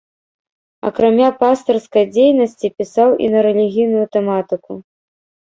Акрамя пастырскай дзейнасці, пісаў і на рэлігійную тэматыку.